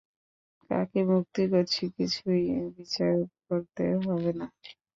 কাকে ভক্তি করছি কিছুই বিচার করতে হবে না?